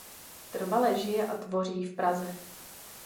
Trvale žije a tvoří v Praze.